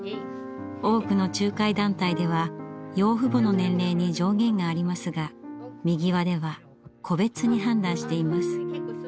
多くの仲介団体では養父母の年齢に上限がありますがみぎわでは個別に判断しています。